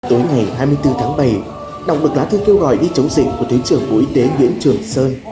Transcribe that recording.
tối ngày hai mươi bốn tháng bảy đọc bực lá thư kêu gọi đi chống dịch của thứ trưởng hữu y tế nguyễn trường sơn